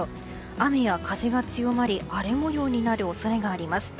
雨や風が強まり荒れ模様になる恐れがあります。